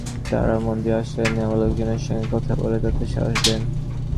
তাঁরা মন্দিরে আশ্রয় নেওয়া লোকজনের সঙ্গে কথা বলে তাঁদের সাহস দেন।